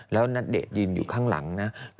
แล้วณเดชนยืนอยู่ข้างหลังนะ